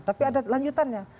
tapi ada lanjutannya